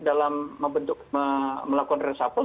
dalam melakukan resapel